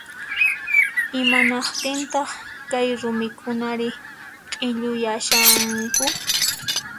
Imanaqtintaq kay rumikunari q'illuyashanku